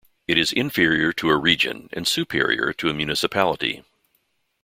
It is inferior to a Region and superior to a municipality.